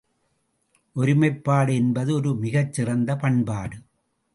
ஒருமைப்பாடு என்பது ஒரு மிகச் சிறந்த பண்பாடு.